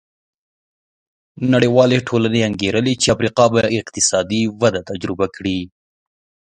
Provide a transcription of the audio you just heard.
نړیوالې ټولنې انګېرلې وه چې افریقا به اقتصادي وده تجربه کړي.